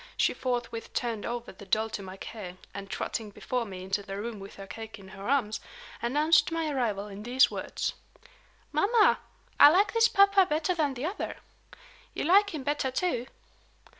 She forthwith turned over the doll to my care, and, trotting before me into the room with her cake in her arms, announced my arrival in these words: "Mamma, I like this papa better than the other. You like him better, too."